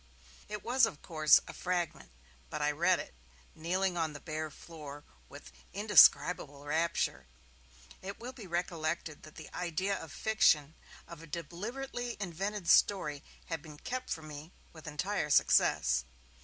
It was, of course, a fragment, but I read it, kneeling on the bare floor, with indescribable rapture. It will be recollected that the idea of fiction, of a deliberately invented story, had been kept from me with entire success.